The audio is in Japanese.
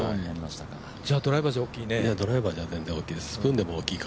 じゃあドライバーじゃ大きいね。